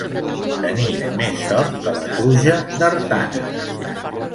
Tenir més sort que la truja d'Artana.